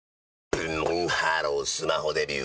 ブンブンハロースマホデビュー！